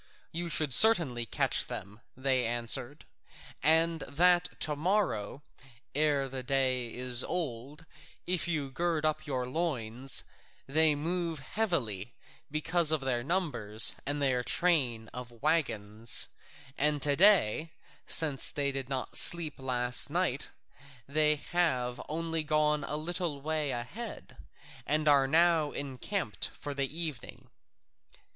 "You should certainly catch them," they answered, "and that to morrow, ere the day is old, if you gird up your loins: they move heavily because of their numbers and their train of waggons, and to day, since they did not sleep last night, they have only gone a little way ahead, and are now encamped for the evening."